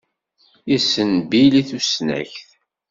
Yessen Bil i tusnakt.